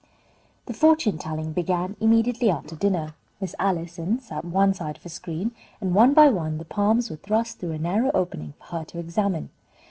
The fortune telling began immediately after dinner. Miss Allison sat one side of a screen, and one by one the palms were thrust through a narrow opening for her to examine.